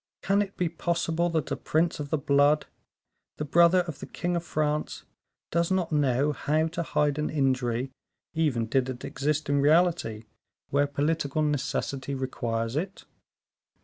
Can it be possible that a prince of the blood, the brother of the king of France, does not know how to hide an injury, even did it exist in reality, where political necessity requires it?"